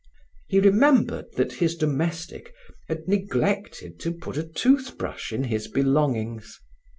He remembered that his domestic had neglected to put a tooth brush in his belongings.